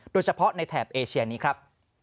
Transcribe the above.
โดยเฉพาะในแถบเอเชียนี้ครับ